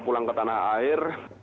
pulang ke tanah air